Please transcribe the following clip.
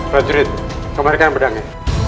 pak jurid kembalikan pedangnya